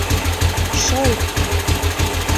Шыл!